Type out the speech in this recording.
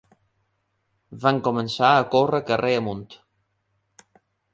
Vam començar a córrer carrer amunt.